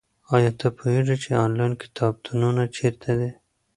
ایا ته پوهېږې چې انلاین کتابتونونه چیرته دي؟